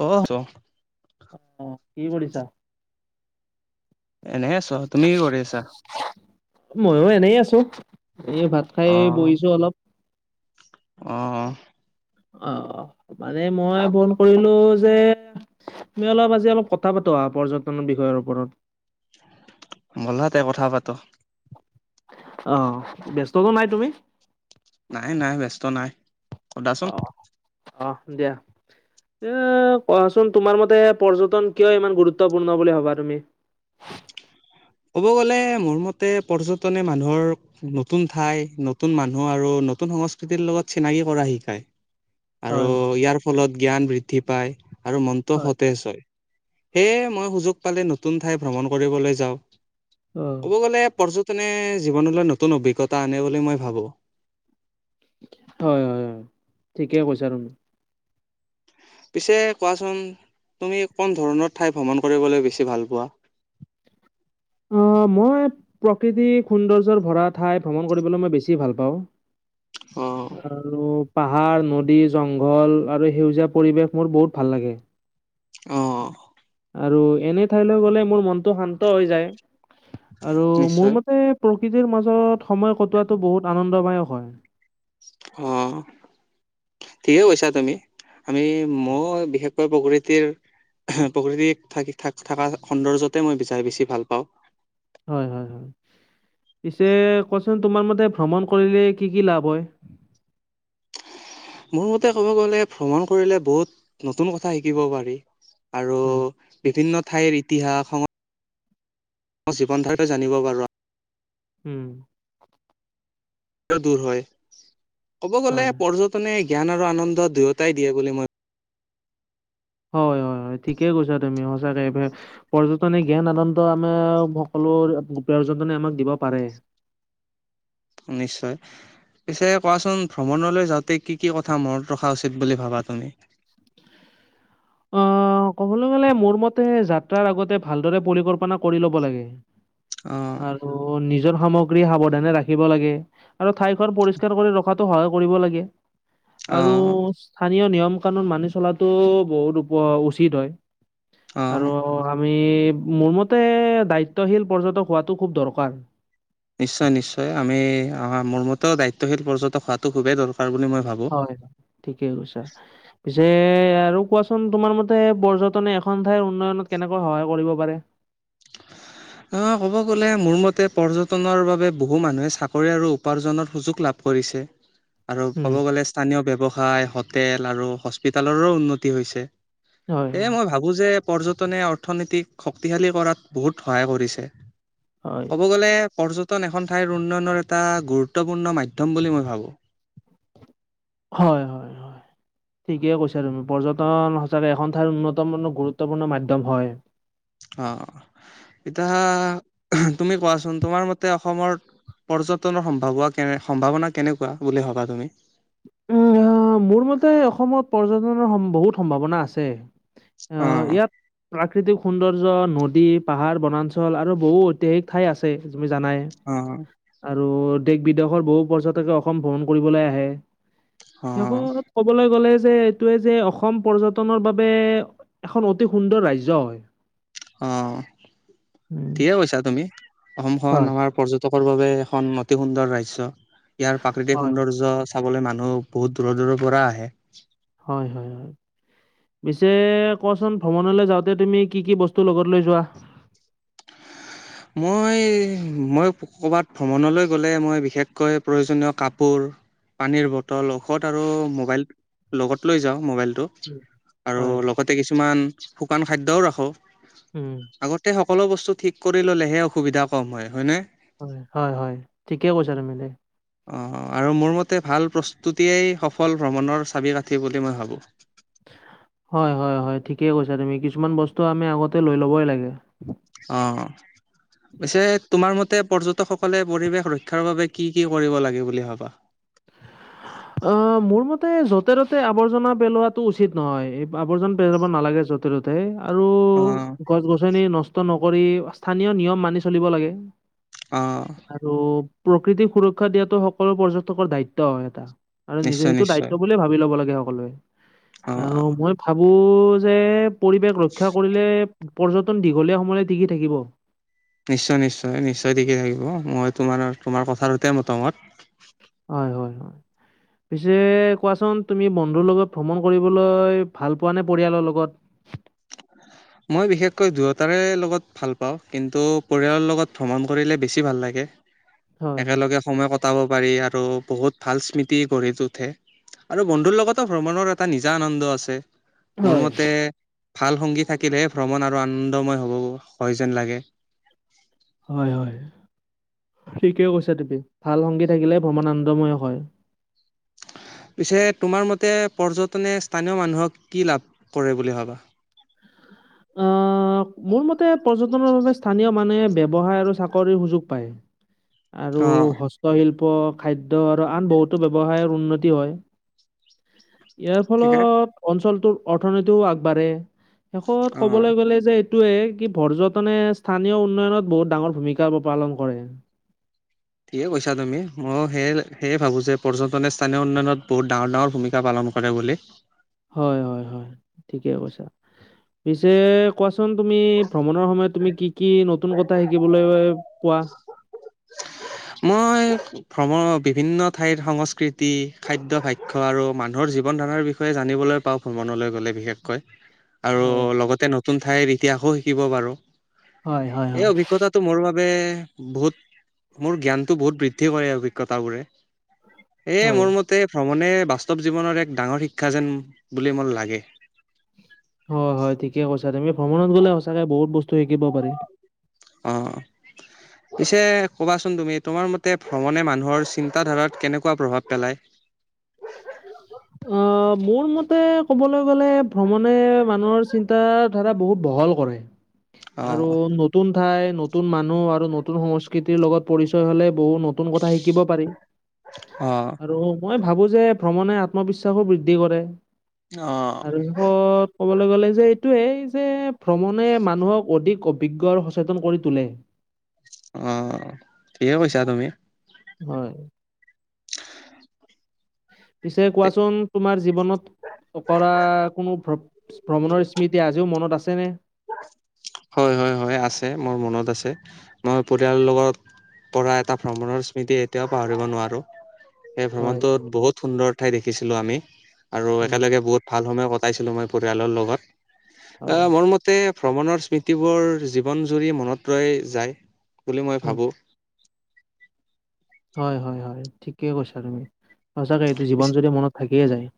অঁহ ত। অঁ কি কৰিছা? এনে আছোঁ আৱ। তুমি কি কৰি আছা? ময়ো এনেই আছো। এই ভাত খাই বহিছো অলপ। অঁ--হ অঁ, মানে মই ফোন কৰিলোঁ যে তুমি অলপ, আজি অলপ কথা পাতো আহা পৰ্যটনৰ বিষয়ৰ ওপৰত। বলহাতে কথা পাতো। আঁ, ব্যস্তটো নাই তুমি? নাই, নাই ব্যস্ত নাই। সোধাচোন অঁ, অঁহ দিয়া। এ---কোৱাচোন? তোমাৰ মতে পৰ্যটন কিয় ইমান গুৰুত্বপূৰ্ণ বুলি ভাৱা তুমি? [inaudible] ক'ব গ'লে মোৰ মতে, পৰ্যটনে মানুহৰ নতুন ঠাই, নতুন মানুহ আৰু নতুন সংস্কৃতিৰ লগত চিনাকি কৰা শিকায়। আৰু হয় ইয়াৰ ফলত জ্ঞান বৃদ্ধি পায় আৰু মনটো অ সতেজ্‌ হ'য়। সেয়ে মই সুযোগ পালে নতুন ঠাই ভ্ৰমণ কৰিবলৈ যাওঁ। ক'ব গ'লে পৰ্য টনে জীৱনলৈ নতুন অভিজ্ঞতা আনে বুলি মই ভাৱো। হয় হয় হয় ঠিকে কৈছা তুমি। পিছে কোৱাচোন, তুমি কোন ধৰণৰ ঠাই ভ্ৰমণ কৰিবলৈ বেছি ভাল পোৱা? [inaudible] অঁ, মই প্ৰকৃতি সৌন্দৰ্যৰ ভৰা ঠাই ভ্ৰমণ কৰিবলৈ মই বেছি ভাল পাওঁ। অ আৰু পাহাৰ, নদী, জংঘল আৰু সেউজীয়া পৰিৱেশ মোৰ বহুত ভাল লাগে। অঁহ আৰু এনে ঠাইলৈ গ'লে মোৰ মনটো শান্ত হৈ যায়। আৰু মোৰ নিশ্চয় মতে প্ৰ প্ৰকৃতিৰ মাজত সময় কটোৱাটো বহুত আনন্দদায়ক হয়। অঁ। ঠিকে কৈছা তুমি। আমি, মই বিশেষকৈ প্ৰকৃতিৰ এহ, প্ৰকৃতিত থাকি থা থাকা সৌন্দৰ্যতে মই বিছাই বেছি ভাল পাওঁ। হয় হয় হয়। পিছে কোৱাচোন তোমাৰ মতে ভ্ৰমণ কৰিলে কি কি লাভ হয়? মোৰ মতে ক'ব গ'লে ভ্ৰমণ কৰিলে বহুত নতুন কথা শিকিব পাৰি। আৰু উম, বিভিন্ন ঠাইৰ ইতিহাস, সং জীৱন ধাৰাটো জানিব পাৰোঁ আ উম। দূৰ হয়। ক'ব গ'লে হয়। পৰ্যটনে জ্ঞান আৰু আনন্দ দুয়োটাই দিয়ে বুলি মই হয় হয় হয় ঠিকে কৈছা তুমি, সঁচাকে পৰ্যটনে জ্ঞান আনন্দ আমাৰ সকলো প পৰ্যটনে আমাক দিব পাৰে। নিশ্চয়। পিছে কোৱাচোন? ভ্ৰমণলৈ যাওঁতে কি কি কথা মনত ৰখা উচিত বুলি ভাৱা তুমি? [inaudible] অঁ, ক'বলৈ গ'লে, মোৰ মতে যাত্ৰাৰ আগতে ভালদৰে পৰিকল্পনা কৰি ল'ব লাগে। অ', আৰু নি নিজৰ সামগ্ৰী সাৱধানে ৰাখিব লাগে। আৰু ঠাইখন পৰিষ্কাৰ কৰি ৰখাটো সহায় কৰিব লাগে। আৰু অ', স্থানীয় নিয়ম কানুন মানি চলাটো বহুত উপ উচিত হয় অ'। আৰু আম আমি মোৰ মতে দায়িত্বশীল পৰ্যটক হোৱাটো খুব দৰকাৰ নিশ্চয় নিশ্চয় আমি মোৰ মতেও দায়িত্বশীল পৰ্যটক হোৱাটো খুবেই দৰকাৰ বুলি মই ভাবোঁ। হয় হয় ঠিকে কৈছা পিছে এ আৰু কোৱাচোন তোমাৰ মতে পৰ্যটনে এখন ঠাইৰ উন্নয়নত কেনেকৈ সহায় কৰিব পাৰে [unintelligible] অ, ক'ব গ'লে মোৰ মতে পৰ্যটনৰ বাবে বহু মানুহে চাকৰি আৰু উপাৰ্জনৰ সুযোগ লাভ কৰিছে আৰু উম ক'ব গ'লে স্থানীয় ব্যৱসায় হটেল আৰু হস্পিতালৰো উন্নতি হৈছে হয় এ মই ভাবো যে পৰ্যটনে অৰ্থনীতিক শক্তিশালী কৰাত বহুত সহায় কৰিছে। হয় ক'ব গ'লে পৰ্যটন এখন ঠাইৰ উন্নয়নৰ এটা গুৰুত্বপূৰ্ণ মাধ্যম বুলি মই ভাবো। হয় হয় হয় ঠিকে কৈছা তুমি পৰ্যটন সঁচাকে এখন ঠাইৰ উন্নতম গুৰুত্বপূৰ্ণ মাধ্যম হয়। অ এতা, উমহ তুমি কোৱাচোন তোমাৰ মতে অসমৰ পৰ্যটনৰ সম্ভাৱা কে সম্ভাৱনা কেনেকুৱা বুলি ভাবা তুমি? উম মোৰ মতে অসমত পৰ্যটনৰ সম বহুত সম্ভাৱনা আছে অঁ অ', ইয়াত প্ৰাকৃতিক সৌন্দৰ্য্য নদী, পাহাৰ, বনাঞ্চল আৰু বহু ঐতিহাসিক ঠাই আছে। তুমি জানাই অ', আৰু দেশ বিদেশৰ বহু পৰ্যটকে অসম ভ্ৰমণ কৰিবলে আহে অ', শেষত ক'বলে গ'লে যে এইটোৱে যে অসম পৰ্যটনৰ বাবে এখন অতি সুন্দৰ ৰাজ্য হয় অ উম, ঠিকে কৈছা তুমি অসমখন হয়। আমাৰ পৰ্যটক বাবে এখন অতি সুন্দৰ ৰাজ্য ইয়াৰ প্ৰাকৃতিক হয়, সৌন্দৰ্য চাবলে মানুহ বহুত দূৰৰ দূৰৰ পৰা আহে হয় হয় হয় পিছে কোৱাচোন ভ্ৰমণলৈ যাওঁতে তুমি কি কি বস্তু লগত লৈ যোৱা [unintelligible] মই মই ক'বাত ভ্ৰমণলৈ গ'লে মই বিশেষকৈ প্ৰয়োজনীয় কাপোৰ পানীৰ বটল ঔষধ আৰু মোবাইল লগত লৈ যাওঁ মোবাইল টো উম, আৰু হয়, লগতে কিছুমান শুকান খাদ্যও ৰাখো উম, আগতে সক সকলো বস্তু ঠিক কৰি ল'লেহে অসুবিধা কম হয় হয়নে হয় হয় হয় ঠিকেই কৈছা তুমি অঁ আৰু মোৰ মতে ভাল প্ৰস্তুতিয়েই সফল ভ্ৰমণৰ চাবি কাঠি বুলি মই ভাবোঁ হয় হয় হয় ঠিকে কৈছা তুমি কিছুমান বস্তু আমি আগতে লৈ ল'বই লাগে অ পিছে তোমাৰ মতে পৰ্যটকসকলে পৰিৱেশ ৰক্ষাৰ বাবে কি কি কৰিব লাগে বুলি ভাবা [unintelligible] অ মোৰ মতে যতে ত'তে আৱৰ্জনা পেলোৱাটো উচিত নহয় আৱৰ্জনা পেলাব নালাগে [unintelligible] আৰু অ' গছ গছনি নষ্ট নকৰি স্থানীয় নিয়ম মানি চলিব লাগে অ' আৰু প্ৰকৃতিক সুৰক্ষা দিয়াটো সকলো পৰ্যটকৰ দায়িত্ব হয় এটা আৰু নিজে নিশ্চয় সেইটো নিশ্চয় দায়িত্ব বুলিয়ে ভাবি ল'ব লাগে সকলোৱে অ' আৰু অ' মই ভাবো পৌ যে পৰিৱেশ ৰক্ষা কৰিলে পৰ্যটন দীঘলীয়া সময়লে টিকি থাকিব নিশ্চয় নিশ্চয় নিশ্চয় তিকি থাকিব মই তোমাৰ তোমাৰ কথাটোতে মতামত হয় হয় হয় পিছে কোৱাচোন তুমি বন্ধুৰ লগত ভ্ৰমণ কৰিবলৈ ভাল পোৱা নে পৰিয়ালৰ লগত [unintelligible] মই বিশেষকৈ দুয়োটাৰে লগত ভাল পাওঁ। কিন্তু পৰিয়ালৰ লগত ভ্ৰমণ কৰিলে বেছি ভাল লাগে। হয়। একেলগে সময় কটাব পাৰি আৰু বহুত ভাল স্মৃতি গঢ়ি উঠে। আৰু বন্ধুৰ লগতো ভ্ৰমণৰ এটা নিজা আনন্দ আছে। মোৰ হয়। মতে ভাল সংগী থাকিলেহে ভ্ৰমণ আৰু আনন্দময় হ'ব হয় যেন লাগে। হয়, হয়। ঠিকে কৈছা তুমি। ভাল সংগী থাকিলে ভ্ৰমণ আন্দময় হয়। [unintelligible] পিছে তোমাৰ মতে পৰ্যটনে স্থানীয় মানুহক কি লাভ কৰে বুলি ভাবা? [unintelligible] অঁ মোৰ মতে পৰ্যটনৰ বাবে স্থানীয় মানুহে বে ব্যৱসায় আৰু চাকৰিৰ সুযোগ পায় আৰু অ হস্তশিল্প- খাদ্য খাদ্য আৰু আন বহুতো ব্যৱসায়ৰ উন্নতি হয়। ইয়াৰ ঠিকে ফলত অঞ্চলটোৰ অৰ্থনীতিও আগবাঢ়ে। শেষত- অ কলে যে এইটোৱে কি পৰ্যটনে স্থানীয় উন্নয়নত বহুত ডাঙৰ ভূমিকা পালন কৰে। ঠিকে কৈছ তুমি, মইও সেয়ে সেয়ে ভাবো যে পৰ্যটনে স্থানীয় উন্নয়নত বহুত ডাঙৰ ডাঙৰ ভূমিকা পালন- কৰে বুলি। হয় হয় হয় ঠিকে কৈছা। পিছে কোৱাচোন তুমি ভ্ৰমণৰ সময়ত তুমি কি কি নতুন কথা শিকিবলে- মই- ভ্ৰমণৰ বিভিন্ন ঠাইৰ সংস্কৃতি, খাদ্য ভাক্য আৰু মানুহৰ জীৱন ধাৰণৰ বিষয়ে জানিবলৈ- পাওঁ ভ্ৰমণলৈ গ'লে বিশেষকৈ। আৰু হয়, লগতে নতুন ঠাইৰ ইতিহাসো শিকিব পাৰো। হয়, হয়, এই হয়। অভিজ্ঞতাটো মোৰ বাবে [unintelligible] বহুত মোৰ জ্ঞানটো বহুত বৃদ্ধি কৰে অভিজ্ঞতাবোৰে। এ হয়, মোৰ মতে ভ্ৰ মানে বাস্তৱ জীৱনৰ এক ডাঙৰ শিক্ষা যেন বুলি মোৰ লাগে। হয়, হয়। ঠিকে কৈছা তুমি, ভ্ৰমণত গ'লে সঁচাকে বহুত বস্তু শিকিব পাৰি। অঁ। পিছে কবাচোন তুমি তোমাৰ মতে ভ্ৰমণে মানুহৰ চিন্তাধাৰাত কেনেকুৱা প্ৰভাৱ পেলায়? [unintelligible] অঁ, মোৰ মতে ক'বলৈ গ'লে ভ্ৰমণে মানুহৰ চিন্তা ধাৰা বহুত বহল কৰে। অ আৰু নতুন ঠাই নতুন মানুহ আৰু নতুন সংস্কৃতিৰ লগত পৰিচয় হ'লে বহুত নতুন কথা শিকিব পাৰি। অ আৰু মই ভাবো যে ভ্ৰমণে আত্মবিশ্বাসো বৃদ্ধি কৰে। অ আৰু শেষত ক'বলৈ গ'লে যে এইটোৱেই যে ভ্ৰমণে মানুহক অধিক অভিজ্ঞ আৰু সচেতন কৰি তোলে। অঁ, ঠিকে কৈছা তুমি। হয়। পিছে কোৱাচোন তোমাৰ জীৱনত কৰা কোনো ভ্ৰমণৰ স্মৃতি আজিও মনত আছেনে? হয়-হয়-হয়, আছে মোৰ মনত আছে। মই পৰিয়ালৰ লগত পৰা এটা ভ্ৰমণৰ স্মৃতি এতিয়াওঁ পাহৰিব নোৱাৰো। সেই হয় ভ্ৰমণটোত বহুত সুন্দৰ ঠাই দেখিছিলো আমি আৰু উম একেলগে বহুত ভাল সময় ক পাইছিলো মই পৰিয়ালৰ লগত। এ হয় মোৰ মত ভ্ৰমণৰ স্মৃতিবোৰ জীৱন জুৰি মনত ৰৈ যায় বুলি মই ভাবোঁ। হয়-হয়-হয়, ঠিকেই কৈছা তুমি। সঁচাকৈ এইটো জীৱন জুৰি মনত থাকিয়ে যায়।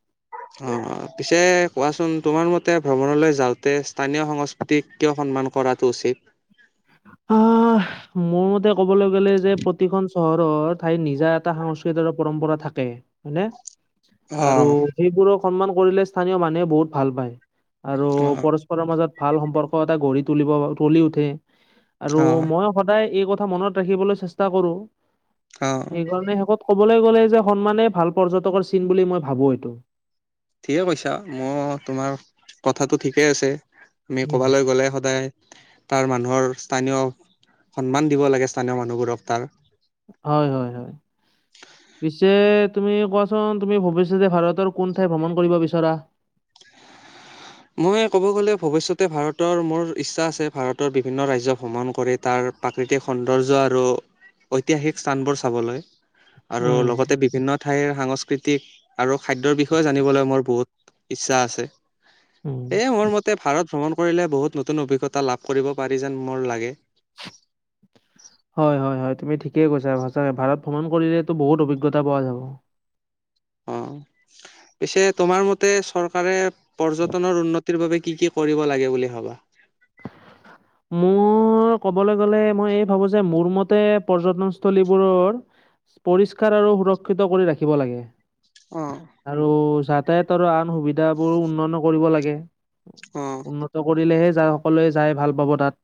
অ' পিছে কোৱাচোন তোমাৰ মতে ভ্ৰমণলৈ যাওঁতে স্থানীয় সংস্কৃতিক কিয় সন্মান কৰাটো উচিত? আহ, মোৰ মতে ক'বলৈ গ'লে যে প্ৰতিখন চহৰৰ ঠাইত নিজা এটা সংস্কৃতি আৰু পৰম্পৰা থাকে, হয়নে? আৰু অ' সেইবোৰক সন্মান কৰিলে স্থানীয় মানুহে বহুত ভাল পায়। আৰু অ' পৰস্পৰৰ মাজত ভাল সম্পৰ্ক এটা গঢ়ি তুলিব তুলি উঠে। আৰু অ' মই সদায় এই কথা মনত ৰাখিবলৈ চেষ্টা কৰো। অ' সেইকাৰণে শেষত কব। কব গ'লে যে সন্মানে ভাল পৰ্যটকৰ চিন বুলি মই ভাবো এইটো। ঠিকে কৈছা মোৰ তোমাৰ কথাটো ঠিকে আছে। আমি উম। কবালে গ'লে সদায়। তাৰ মানুহৰ স্থানীয় সন্মান দিব লাগে স্থানীয় মানুহবোৰক তাৰ। হয়-হয়-হয়। পিছে তুমি কোৱাচোন তুমি ভৱিষ্যতে ভাৰতৰ কোন ঠাই ভ্ৰমণ কৰিব বিচৰা? [unintelligible] মই ক'ব গ'লে ভৱিষ্যতে ভাৰতৰ মোৰ ইচ্ছা আছে ভাৰতৰ বিভিন্ন ৰাজ্য ভ্ৰমণ কৰি তাৰ প্ৰাকৃতিক সৌন্দৰ্য আৰু ঐতিহাসিক স্থানবোৰ চাবলৈ। আৰু উম লগতে বিভিন্ন ঠাইৰ সাংস্কৃতিক আৰু খাদ্যৰ বিষয়ে জানিবলৈ মোৰ বহুত ইচ্ছা আছে। উম। এ মোৰ মতে ভাৰত ভ্ৰমণ কৰিলে বহুত নতুন অভিজ্ঞতা লাভ কৰিব পাৰি যেন মোৰ লাগে। [inaudible] হয়-হয়-হয়, তুমি ঠিকেই কৈছা। সঁচাকে ভাৰত ভ্ৰমণ কৰিলেতো বহুত অভিজ্ঞতা পোৱা যাব। অ, পিছে তোমাৰ মতে চৰকাৰে পৰ্যটনৰ উন্নতি ৰ বাবে কি কি কৰিব লাগে বুলি ভাৱা? মোৰ ক'বলৈ গ'লে মই এই ভাবো যে মোৰ মতে পৰ্যটন স্থলীবোৰৰ পৰিষ্কাৰ আৰু সুৰক্ষিত কৰি ৰাখিব লাগে। অ আৰু যাতায়ত আৰু আন সুবিধাবোৰ উন্নত কৰিব লাগে। অ উন্নত কৰিলেহে যায় সকলোৱে যায় ভাল পাব তাত।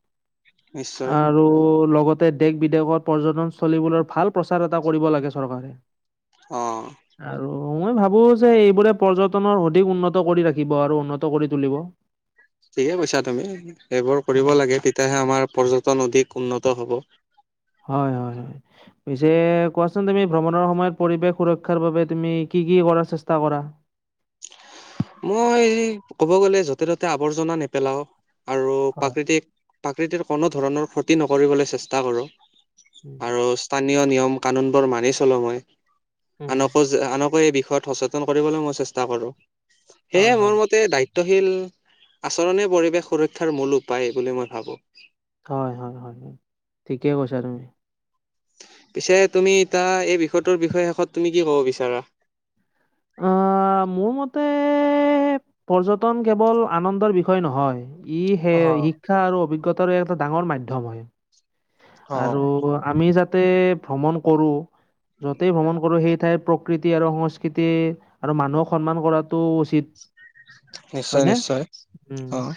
নিশ্চয় আৰু লগ লগতে দেশ বিদেশত পৰ্যটনস্থলীবোৰৰ ভাল প্ৰচাৰ এটা কৰিব লাগে চৰকাৰে। আহ। আৰু মই ভাবো যে এইবোৰে পৰ্যটনৰ অধিক উন্নত কৰি ৰাখিব আৰু উন্নত কৰি তুলিব। ঠিকে কৈছা তুমি এইবোৰ কৰিব লাগে তেতিয়াহে আমাৰ পৰ্যটন অধিক। উন্নত হ'ব। হয় হয় হয় পিছে কোৱাচোন তুমি ভ্ৰমণৰ সময়ত পৰিৱেশ সুৰক্ষাৰ বাবে তুমি কি? কি কি কৰাৰ চেষ্টা কৰা? মই ক'ব গ'লে য'তে ত'তে আৱৰ্জনা নেপেলাও। আৰু হয়, প্ৰাকৃতিক প্ৰাকৃতিৰ কোনো ধৰণৰ ক্ষতি নকৰিবলৈ চেষ্টা কৰোঁ। উম, আৰু স্থানীয় নিয়ম কানুন বোৰ মানি চলো মই উম, আনকো যে আনক বিষয়ত সচেতন কৰিবলৈ মই চেষ্টা কৰো হয়, সেয়ে মোৰ হয়, মতে দায়িত্ব। শীল আচৰণে পৰিৱেশ সুৰক্ষাৰ মূল উপায় বুলি মই ভাবো। হয় হয় হয় ঠিকেই কৈছা তুমি পিছে তুমি তা এই বিষয়টোৰ বিষয়ে শেষত তুমি কি ক'ব বিচাৰা অ অ মোৰ মতে পৰ্যটন কেৱল আনন্দৰ বিষয় নহয়। ই সে অ', শিক্ষা আৰু অভিজ্ঞতাৰ এটা ডাঙৰ মাধ্যম হয়। অ', আৰু আমি যাতে ভ্ৰমণ কৰো যতেই ভ্ৰমণ কৰো সেই ঠাইত। প্ৰকৃতি আৰু সংস্কৃতি আৰু মানুহক সন্মান কৰাটো উচিত। নিশ্চয় হয় নে নিশ্চয় উম অ'।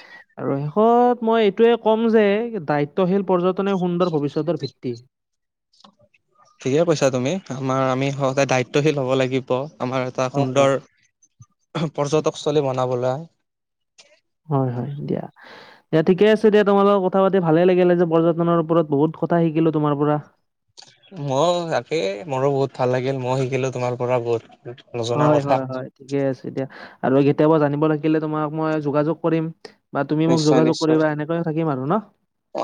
আৰু শেষত মই এইটোৱে ক'ম যে দায়িত্বশীল পৰ্যটনে সুন্দৰ ভৱিষ্যতৰ ভিত্তি ঠিকে কৈছা তুমি আমাৰ আমি সদায় দায়িত্বশীল হ'ব লাগিব। আমাৰ এটা হয়, হয়, সুন্দৰ পৰ্যটকস্থলী বনাবলৈ হয় হয় দিয়া। দিয়া ঠিকে আছে দিয়া তোমাল লগত কথা পাতি ভালে লাগিলে যে পৰ্যটনৰ ওপৰত বহুত কথা শিকিলো তোমাৰ পৰা মই তাকেই মোৰো বহুত ভাল লাগিল মই শিকিলো তোমাৰ পৰা বহুত নজনা হয় কথা হয় হয় ঠিকে আছে দিয়া আৰু কেতিয়াবা জানিব লাগিলে তোমাক মই যোগাযোগ কৰিম বা তুমি মোক নিশ্চয় যোগাযোগ নিশ্চয় কৰিবা এনেকয় থাকিম আৰু ন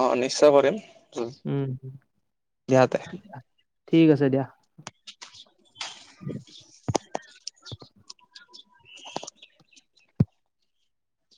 অ নিশ্চয় কৰিম উম দিয়া তে ঠিক আছে দিয়া [unintelligible] [unintelligible] [unintelligible]